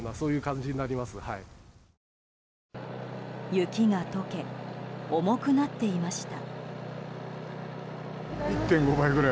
雪が解け重くなっていました。